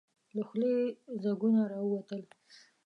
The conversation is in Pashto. له خولې يې ځګونه راووتل.